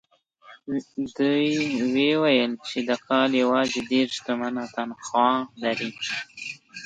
ويې ويل چې د کال يواځې دېرش تومنه تنخوا لري.